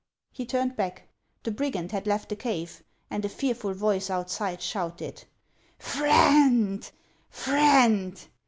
He turned back. The brigand had left the cave, and a fearful voice outside shouted :" Friend